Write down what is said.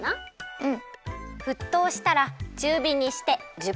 うん。